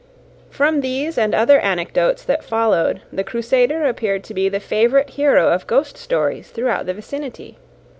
From these and other anecdotes that followed, the crusader appeared to be the favourite hero of ghost stories throughout the vicinity.